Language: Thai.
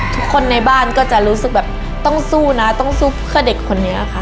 ทุกคนในบ้านก็จะรู้สึกแบบต้องสู้นะต้องสู้เพื่อเด็กคนนี้ค่ะ